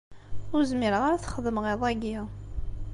Ur zmireɣ ara ad t-xedmeɣ iḍ-agi.